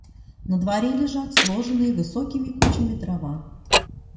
На дворе лежат, сложенные высокими кучами, дрова.